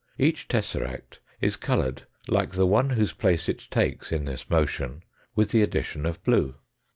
Each tesseract is coloured like the one whose place it takes in this motion with the addition of blue.